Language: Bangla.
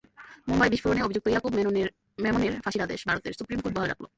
মুম্বাই বিস্ফোরণে অভিযুক্ত ইয়াকুব মেমনের ফাঁসির আদেশ ভারতের সুপ্রিম কোর্ট বহাল রাখল।